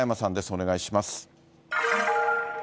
お願いします。